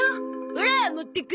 オラ持ってく！